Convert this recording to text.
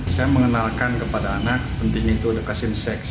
saya mengenalkan kepada anak penting itu dekasim